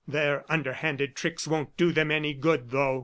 ... Their underhand tricks won't do them any good, though!